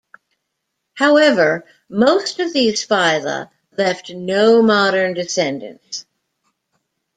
However most of these phyla left no modern descendants.